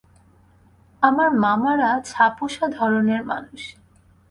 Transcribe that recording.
আমার মামারা ছাপোষা ধরনের মানুষ।